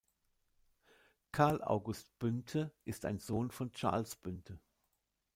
Carl August Bünte ist ein Sohn von Charles Bünte.